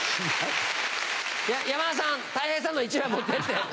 山田さんたい平さんの１枚持ってって。